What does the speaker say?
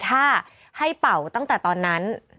ถ้าให้เป่าตั้งแต่ตอนนั้น